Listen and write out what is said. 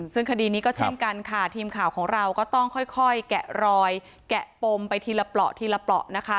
ซึ่งคดีนี้ก็เช่นกันค่ะทีมข่าวของเราก็ต้องค่อยแกะรอยแกะปมไปทีละเปราะทีละเปราะนะคะ